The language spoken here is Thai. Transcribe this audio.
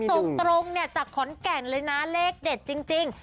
ตรงเนี่ยจากขอนแก่นเลยนะเลขเด็ดจริง